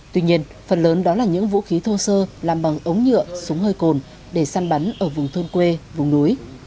tuy nhiên phần lớn đó là những vũ khí thô sơ làm bằng ống nhựa súng hơi cồn để săn bắn ở vùng thôn quê vùng núi